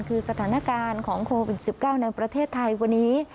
คือสถานการณ์ของโควิด๑๙ในประเทศไทยวันนี้